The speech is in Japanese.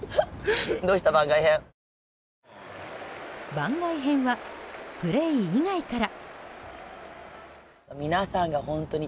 番外編は、プレー以外から。